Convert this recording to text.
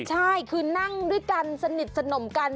ใช่คือนั่งด้วยกันสนิทสนมกัน